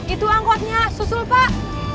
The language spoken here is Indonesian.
itu angkotnya susul pak